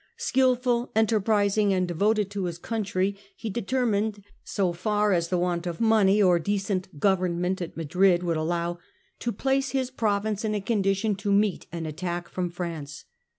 Skilful, enterprising, Countries, and devoted to his country, he determined, so far as the want of money or decent government at Madrid would allow, to place his province in a condition to meet an attack from France.